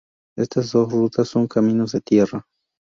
Estas dos rutas, son caminos de tierra.